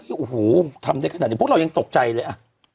โอ้โหทำได้ขนาดนี้พวกเรายังตกใจเลยอ่ะ